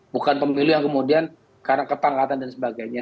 bukan pemilu yang kemudian karena kepangkatan dan sebagainya